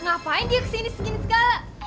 ngapain dia kesini segini segala